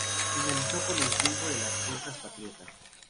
Finalizó con el triunfo de las fuerzas patriotas.